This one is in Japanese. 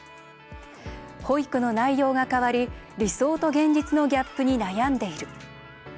保育の内容が変わり、理想と現実のギャップに悩んでいる。